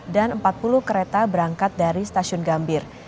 dan empat puluh kereta berangkat dari stasiun gambir